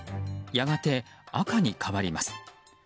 やがて赤に変わります。